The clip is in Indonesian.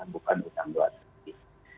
bukan utang luar negeri